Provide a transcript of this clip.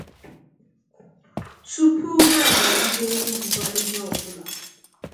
tupu ha abagide n'iwube ihe ọbụla